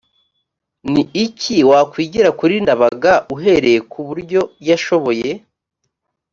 ni iki wakwigira kuri ndabaga uhereye ku buryo yashoboye